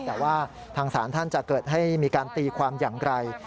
แต่ว่าทางศาลท่านจะเกิดให้มีการตีความอย่างไร